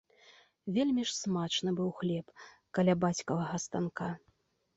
Вельмі ж смачны быў хлеб каля бацькавага станка.